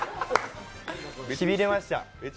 しびれました。